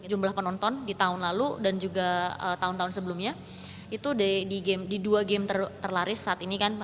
jumlah penonton di tahun lalu dan juga tahun tahun sebelumnya itu di dua game terlaris saat ini kan